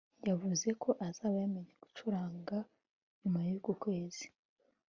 yavuzeko azaba yamenye gucuranga nyuma yuku kwezi